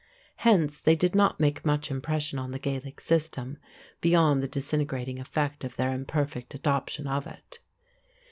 Hence they did not make much impression on the Gaelic system, beyond the disintegrating effect of their imperfect adoption of it.